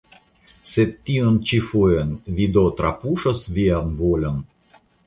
Sed tiun ĉi fojon vi do trapuŝos vian volon?